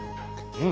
うん！